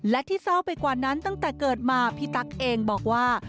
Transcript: และที่เศร้าไปกว่านั้นตั้งแต่เกิดมาพี่ตั๊กเองบอกว่า